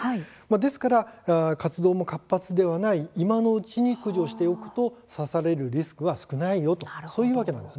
ですから活動も活発ではない今のうちに駆除しておくと刺されるリスクは少ないよというわけなんです。